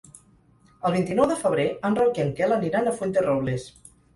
El vint-i-nou de febrer en Roc i en Quel aniran a Fuenterrobles.